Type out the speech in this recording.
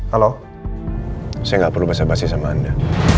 halo saya nggak perlu basi basi sama anda